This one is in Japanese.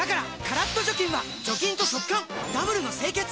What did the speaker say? カラッと除菌は除菌と速乾ダブルの清潔！